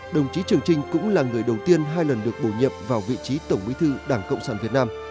đồng chí trường trinh cũng là người đầu tiên hai lần được bổ nhiệm vào vị trí tổng bí thư đảng cộng sản việt nam